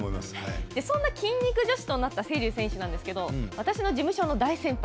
そんな「筋肉女子」となった瀬立選手なんですが私の事務所の先輩